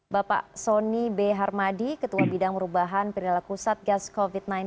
bapak soni b harmadi ketua bidang merubahan perlilakusat gas covid sembilan belas